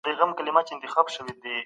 که د حقايقو لټون وکړې نو لار به ومومې.